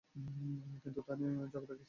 কিন্তু তা নিয়ে ঝগড়া কিসের?